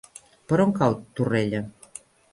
Per on cau Torrella?